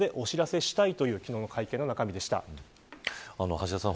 橋田さん